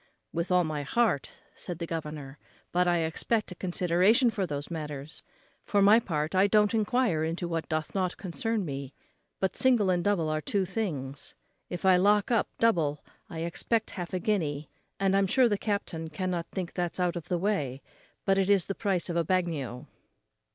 "With all my heart," said the governor; "but I expect a consideration for those matters. For my part, I don't enquire into what doth not concern me; but single and double are two things. If I lock up double I expect half a guinea, and I'm sure the captain cannot think that's out of the way; it is but the price of a bagnio."